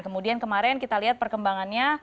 kemudian kemarin kita lihat perkembangannya